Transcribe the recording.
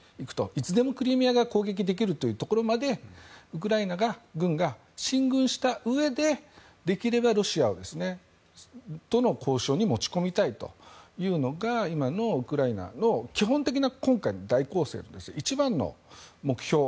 いつでもクリミアが攻撃できるというところまでウクライナが軍が進軍したうえでできればロシアとの交渉に持ち込みたいというのが今のウクライナの基本的な今回の大攻勢の一番の目標